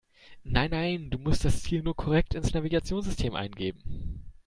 Nein, nein, du musst das Ziel nur korrekt ins Navigationssystem eingeben.